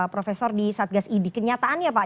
profesor di satgas idi kenyataannya pak